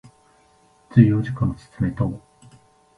重要事項の説明等